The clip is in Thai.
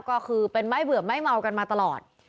ก็คือเป็นไม่เบื่อไม่เมากันมาตลอด